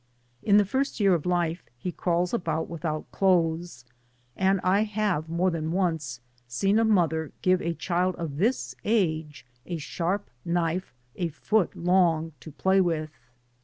In the first year of his life he crawls about without clothes, and I have more than once seen a mother give a child of this age a sharp knife, a foot long, to play with.